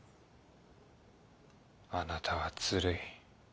あなたはずるい。